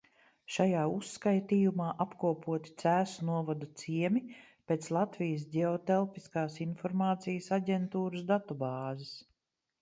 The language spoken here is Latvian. Šajā uzskatījumā apkopoti Cēsu novada ciemi pēc Latvijas Ģeotelpiskās informācijas aģentūras datubāzes.